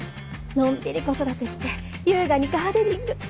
のんびり子育てして優雅にガーデニング。